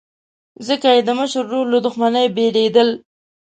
ځکه یې د مشر ورور له دښمنۍ بېرېدل.